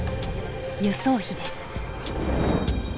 輸送費です。